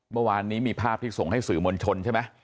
เมื่อวานนี้มีภาพที่ส่งให้สื่อมวลชนใช่ไหม